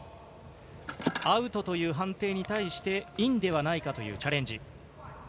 アウトという判定に対していいのではないかというチャレンジ。